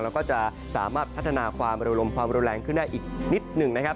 แล้วก็จะสามารถพัฒนาความเร็วลมความรุนแรงขึ้นได้อีกนิดหนึ่งนะครับ